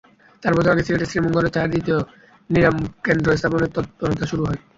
চার বছর আগে সিলেটের শ্রীমঙ্গলে চায়ের দ্বিতীয় নিলামকেন্দ্র স্থাপনের তৎপরতা শুরু হয়।